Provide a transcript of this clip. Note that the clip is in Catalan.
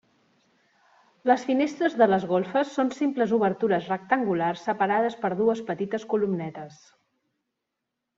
Les finestres de les golfes són simples obertures rectangulars separades per dues petites columnetes.